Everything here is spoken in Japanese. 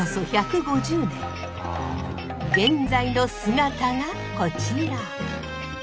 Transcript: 現在の姿がこちら。